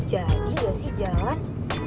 jadi gak sih jalan